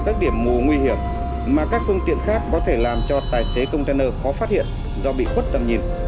các điểm mù nguy hiểm mà các phương tiện khác có thể làm cho tài xế container khó phát hiện do bị khuất tầm nhìn